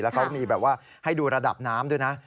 เขามีแบบว่าให้ดูระดับน้ำด้วยนะ